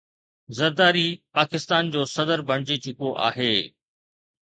زرداري پاڪستان جو صدر بڻجي چڪو آهي